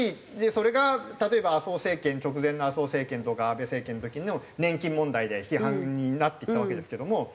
それが例えば麻生政権直前の麻生政権とか安倍政権の時の年金問題で批判になっていったわけですけども。